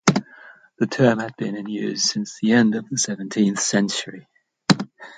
The term had been in use since the end of the seventeenth century.